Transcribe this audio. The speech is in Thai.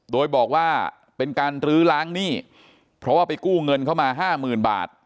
โดยบอกว่าเป็นการลื้อล้างหนี้เพราะว่าไปกู้เงินเข้ามาห้าหมื่นบาท